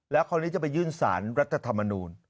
แล้วคราวนี้จะไปยื่นสารรัฐธรรมนูล